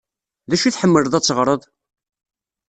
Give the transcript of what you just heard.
D acu i tḥemmleḍ ad teɣreḍ?